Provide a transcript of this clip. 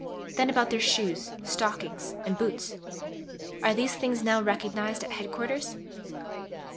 Then about their shoes, stockings, and boots? Are these things now recognized at Head Quarters?